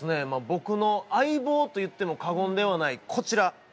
僕の相棒といっても過言ではないこちら！